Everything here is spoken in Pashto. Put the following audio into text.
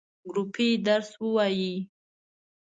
ګروپی درس وایی؟